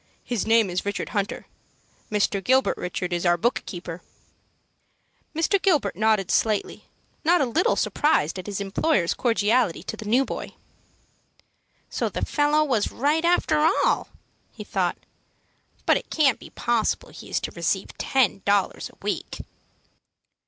His name is Richard Hunter. Mr. Gilbert, Richard, is our book keeper." Mr. Gilbert nodded slightly, not a little surprised at his employer's cordiality to the new boy. "So the fellow was right, after all," he thought. "But it can't be possible he is to receive ten dollars a week."